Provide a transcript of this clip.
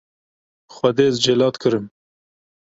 - Xwedê ez celat kirim.